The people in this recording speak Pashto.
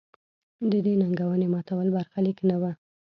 د دې ننګونې ماتول برخلیک نه و.